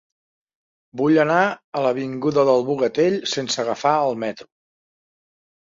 Vull anar a l'avinguda del Bogatell sense agafar el metro.